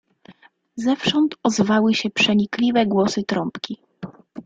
"Zewsząd ozwały się przenikliwe głosy trąbki."